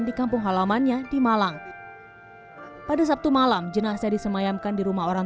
di kampung halamannya di malang pada sabtu malam jenazah disemayamkan di rumah orang